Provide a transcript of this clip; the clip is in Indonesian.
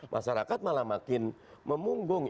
masyarakat malah makin memunggung